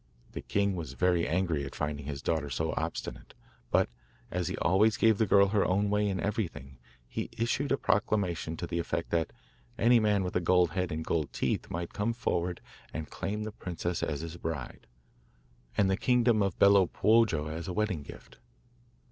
The king was very angry at finding his daughter so obstinate; but as he always gave the girl her own way in everything, he issued a proclamation to the effect that any man with a gold head and gold teeth might come forward and claim the princess as his bride, and the kingdom of Bello Puojo as a wedding gift.